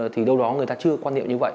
thì đâu đó người ta chưa quan niệm như vậy